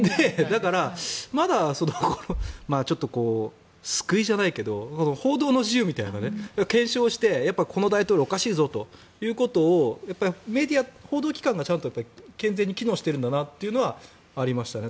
だからまだ救いじゃないけど報道の自由みたいなので検証して、やっぱりこの大統領おかしいぞということをメディア、報道機関が健全に機能しているんだなというのはありましたね。